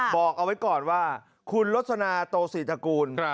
บอกเอาไว้ก่อนว่าคุณลสนาโตศรีตระกูล